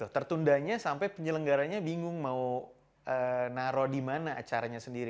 tertundanya sampai penyelenggaranya bingung mau naro di mana acaranya sendiri